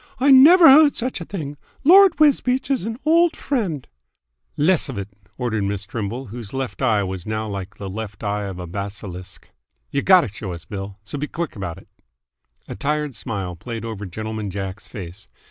"I never heard of such a thing! Lord Wisbeach is an old friend " "Less'f it!" ordered Miss Trimble, whose left eye was now like the left eye of a basilisk. "Y' gotta show us, Bill, so b' quick 'bout 't!" A tired smile played over Gentleman Jack's face.